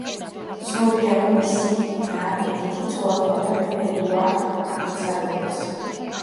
ცნობილია, რომ მისი და ედითი, ცოლად ჰყავდა მეფე ედუარდ აღმსარებელს.